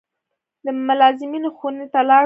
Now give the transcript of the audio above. د ملازمینو خونې ته لاړو.